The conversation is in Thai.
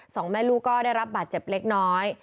สองแม่ลูกก็ได้รับบาดเจ็บเล็กน้อย